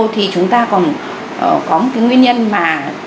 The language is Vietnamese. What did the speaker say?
thì chúng ta còn có một cái nguyên nhân mà